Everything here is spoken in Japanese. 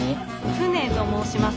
フネと申します。